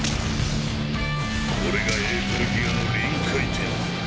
これがエーテルギアの臨界点。